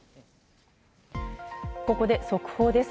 ここで速報です。